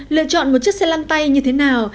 lựa chọn một chiếc xe lăn tay như thế nào